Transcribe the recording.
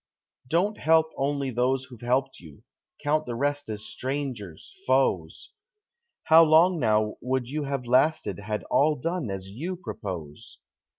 Don't help only those who've helped you, count the rest as strangers, foes; How long now would you have lasted had all done as you propose?